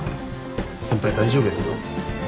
先輩大丈夫ですか？